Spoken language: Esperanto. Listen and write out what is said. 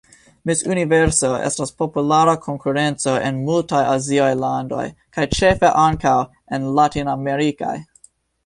Miss Universo estas populara konkurenco en multaj aziaj landoj kaj ĉefe ankaŭ en latinamerikaj.